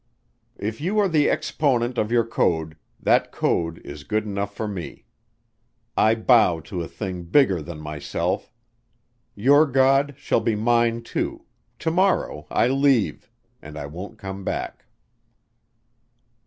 If you are the exponent of your code, that code is good enough for me. I bow to a thing bigger than myself.... Your God shall be mine, too ... to morrow I leave, and I won't come back."